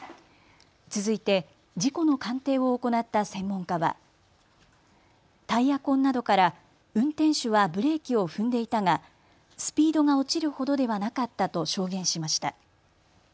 続いて、事故の鑑定を行った専門家は、タイヤ痕などから運転手はブレーキを踏んでいたがスピードが落ちるほどではなかったと証言しました。